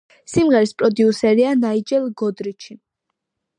სიმღერის პროდიუსერია ნაიჯელ გოდრიჩი.